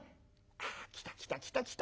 ああ来た来た来た来た。